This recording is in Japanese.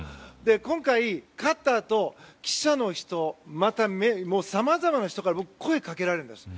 今回、勝ったあと記者の人また、さまざまな人から僕、声をかけられたんです。